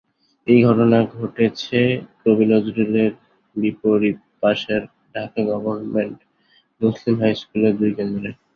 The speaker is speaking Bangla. একই ঘটনা ঘটেছে কবি নজরুলের বিপরীত পাশের ঢাকা গভর্মেন্ট মুসলিম হাইস্কুলের দুই কেন্দ্রে।